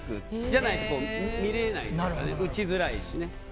じゃないと、見えないというか撃ちづらいしね。